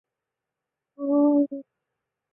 明末进士。